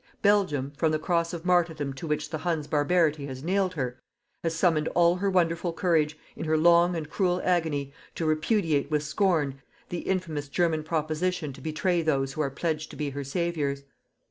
Belgium, from the cross of martyrdom to which the Huns' barbarity has nailed her, has summoned all her wonderful courage, in her long and cruel agony, to repudiate with scorn the infamous German proposition to betray those who are pledged to be her saviours.